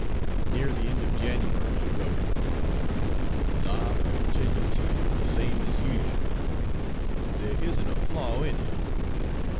Near the end of January he wrote: "Life continues here the same as usual. There isn't a flaw in it.